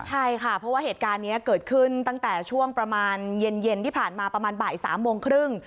ใช่ค่ะเพราะว่าเหตุการณ์นี้เกิดขึ้นตั้งแต่ช่วงประมาณเย็นที่ผ่านมาประมาณบ่าย๓โมงครึ่ง